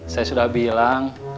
saya sudah bilang